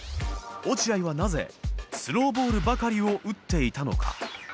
落合はなぜスローボールばかりを打っていたのか。